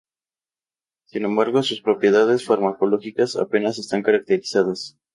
Sin embargo, sus propiedades farmacológicas apenas están caracterizadas.